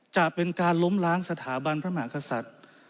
จะเป็นการล้มล้างสถาบันพระมหากษัตริย์